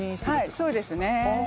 はいそうですね。